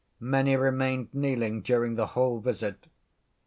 Many remained kneeling during the whole visit.